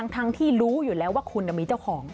ทั้งที่รู้อยู่แล้วว่าคุณมีเจ้าของ